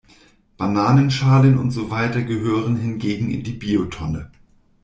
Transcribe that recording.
Bananenschalen und so weiter gehören hingegen in die Biotonne.